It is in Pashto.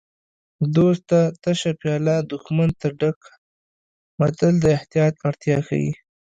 دوست ته تشه پیاله دښمن ته ډکه متل د احتیاط اړتیا ښيي